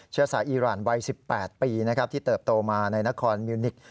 เชื้อสายอีรานวัย๑๘ปีที่เติบโตมาในนครมิวนิกส